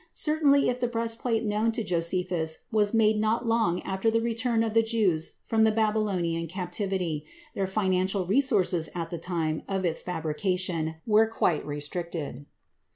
Certainly, if the breastplate known to Josephus was made not long after the return of the Jews from the Babylonian Captivity, their financial resources at the time of its fabrication were quite restricted.